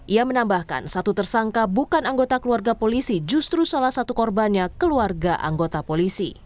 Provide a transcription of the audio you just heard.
ia menambahkan satu tersangka bukan anggota keluarga polisi justru salah satu korbannya keluarga anggota polisi